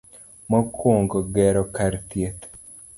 Mokwongo, gero kar thieth,